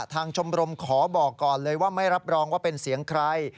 ชมรมขอบอกก่อนเลยว่าไม่รับรองว่าเป็นเสียงใคร